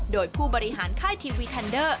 โดยผู้บริหารค่ายทีวีทันเดอร์